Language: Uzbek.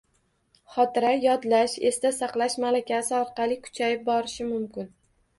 Xotira yodlash, esda saqlash malakasi orqali kuchayib borishi mumkin.